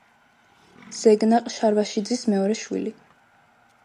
ზეგნაყ შარვაშიძის მეორე შვილი.